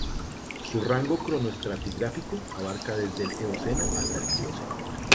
Su rango cronoestratigráfico abarca desde el Eoceno hasta el Plioceno.